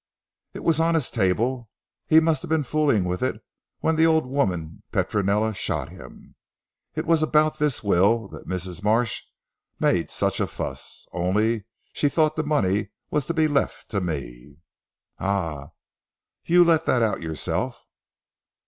"It was on his table. He must have been fooling with it when the old woman Petronella shot him. It was about this will that Mrs. Marsh made such a fuss, only she thought the money was to be left to me." "Ah! You let that out yourself."